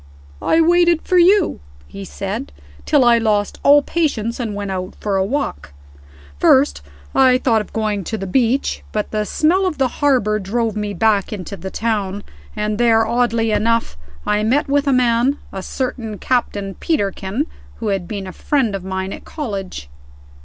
"I waited for you," he said, "till I lost all patience, and went out for a walk. First, I thought of going to the beach, but the smell of the harbor drove me back into the town; and there, oddly enough, I met with a man, a certain Captain Peterkin, who had been a friend of mine at college."